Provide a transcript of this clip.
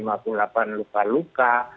lima puluh delapan luka luka